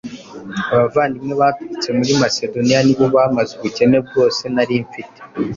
Abavandimwe baturutse muri Masedoniya nibo bamaze ubukene bwose nari mfite